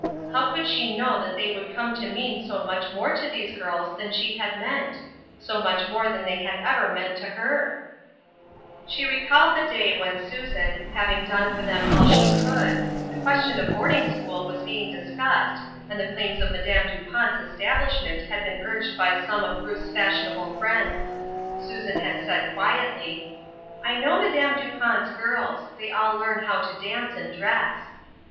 How could she know that they would come to mean so much more to these girls than she had meant ? so much more than they had ever meant to her? l62 THE WISDOM OF THIS WORLD. She recalled the day when Susan, having done for them all she could, the question of boarding school was being discussed, and the claims of Madame Dupont's establishment had been urged by some of Ruth's fashionable friends. Susan had said quietly, —" I know Madame Dupont's girls ; they all learn how to dance and dress."